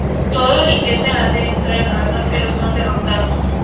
Todos le intentan hacer entrar en razón pero son derrotados.